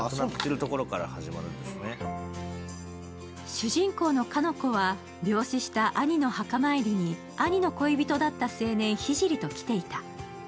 主人公の鹿ノ子は病死した兄の墓参りに兄の恋人だった青年・聖と来ていた。